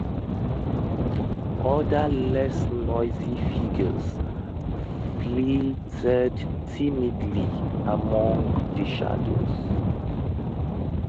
Other less noisy figures flitted timidly among the shadows.